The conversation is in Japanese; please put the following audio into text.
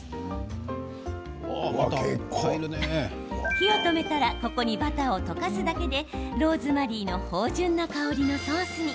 火を止めたらここにバターを溶かすだけでローズマリーの芳じゅんな香りのソースに。